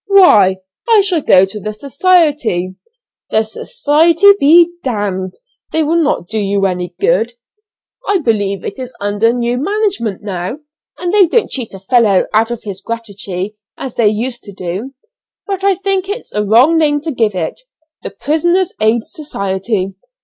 "Why, I shall go to the society." "The society be ! they will not do you any good." "I believe it is under new management now, and they don't cheat a fellow out of his gratuity as they used to do; but I think it's a wrong name to give it The Prisoners' Aid Society!